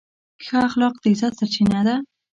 ښه اخلاق د عزت سرچینه ده.